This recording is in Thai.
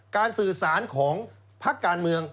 การสื่อสารของภาคการเมือง